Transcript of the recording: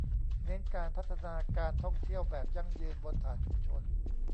เน้นการพัฒนาการท่องเที่ยวแบบยั่งยืนบนฐานชุมชน